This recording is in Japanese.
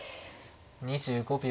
２５秒。